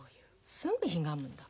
すぐひがむんだから。